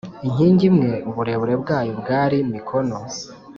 Inkingi imwe uburebure bwayo bwari mikono